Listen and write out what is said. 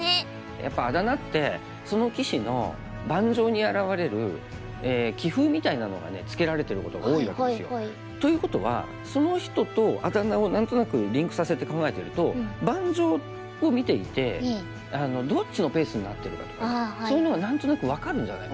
やっぱりあだ名ってその棋士の盤上に表れるということはその人とあだ名を何となくリンクさせて考えてると盤上を見ていてどっちのペースになってるかとかそういうのが何となく分かるんじゃないかな。